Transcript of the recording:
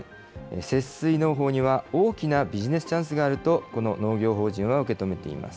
節水農法には、大きなビジネスチャンスがあると、この農業法人は受け止めています。